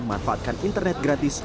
memanfaatkan internet gratis